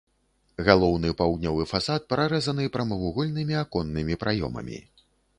Галоўны паўднёвы фасад прарэзаны прамавугольнымі аконнымі праёмамі.